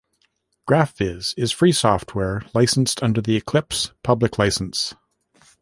Graphviz is free software licensed under the Eclipse Public License.